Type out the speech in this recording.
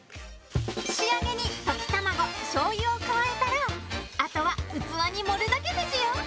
仕上げに溶き卵しょうゆを加えたらあとは器に盛るだけベジよ